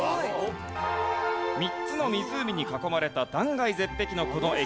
３つの湖に囲まれた断崖絶壁のこの駅。